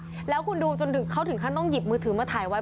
ไล่คลอดอ่ะแล้วคุณดูจนถึงเขาถึงขั้นต้องหยิบมือถือมาถ่ายไว้